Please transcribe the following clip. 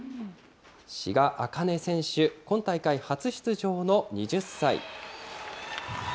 志賀紅音選手、今大会初出場の２０歳。